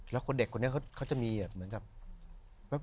และคนเด็กคนเดียวเขาจะมีเหมือนแบบ